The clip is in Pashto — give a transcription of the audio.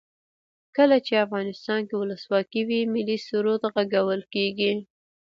کله چې افغانستان کې ولسواکي وي ملي سرود غږول کیږي.